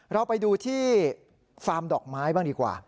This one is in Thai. เราไปดูที่ฟาร์มดอกไม้บ้างดีกว่า